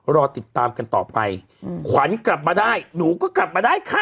รอติดตามกันต่อไปขวัญกลับมาได้หนูก็กลับมาได้ค่ะ